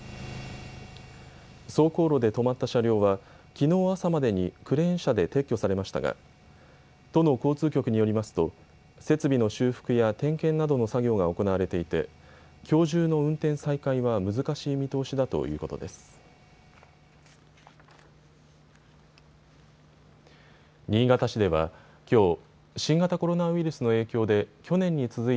走行路で止まった車両はきのう朝までにクレーン車で撤去されましたが都の交通局によりますと設備の修復や点検などの作業が行われていてきょう中の運転再開は難しい見通しだということです。